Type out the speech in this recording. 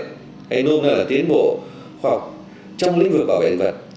cái nôm na là tiến bộ khoa học trong lĩnh vực bảo vệ thực vật